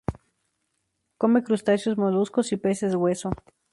Come crustáceos, moluscos y peces hueso.